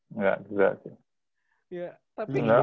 enggak enggak juga sih